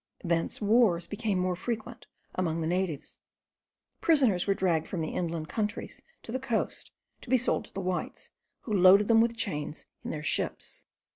Thence wars became more frequent among the natives; prisoners were dragged from the inland countries to the coast, to be sold to the whites, who Loaded them with chains in their ships.